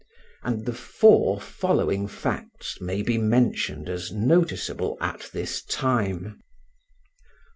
And the four following facts may be mentioned as noticeable at this time: 1.